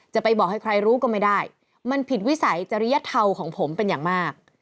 จะไปบอกให้ใครรู้ก็ไม่ได้มันผิดวิสัยจริยธรรมของผมเป็นอย่างมาก